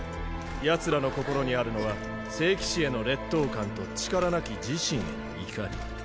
ヤツらの心にあるのは聖騎士への劣等感と力なき自身への怒り。